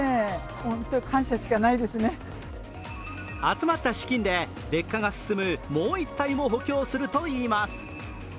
集まった資金で劣化が進むもう１体も補強するといいます。